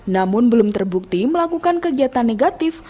namun belum terbukti melakukan kegiatan negatif